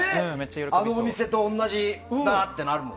あの店と同じだってなるし。